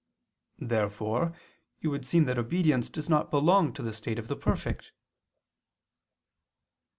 Therefore it would seem that obedience does not belong to the state of the perfect.